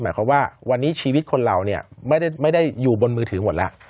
หมายความว่าวันนี้ชีวิตคนเราเนี่ยไม่ได้อยู่บนมือถือหมดแล้ว